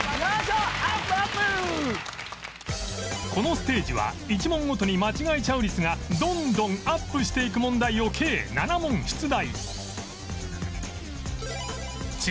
このステージは１問ごとに間違えちゃう率がどんどんアップしていく問題を計７問出題